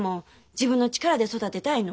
自分の力で育てたいの。